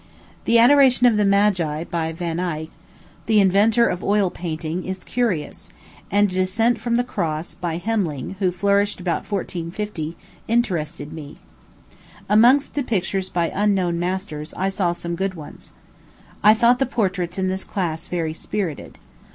The Adoration of the Magi, by Van Eyck, the inventor of oil painting, is curious; and a Descent from the Cross, by Hemling, who flourished about 1450, interested me. Amongst the pictures by unknown masters I saw some good ones. I thought the portraits in this class very spirited.